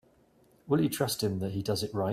Will you trust him that he does it right?